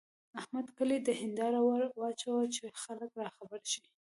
احمد کلي ته هېنداره ور واچوله چې خلګ راخبر شي.